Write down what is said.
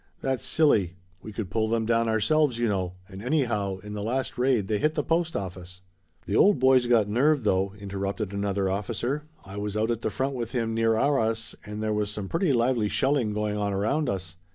That's silly. We could pull them down ourselves, you know, and, anyhow, in the last raid they hit the postoffice." "The old boy's got nerve, though," interrupted another officer. "I was out at the front with him near Arras and there was some pretty lively shelling going on around us.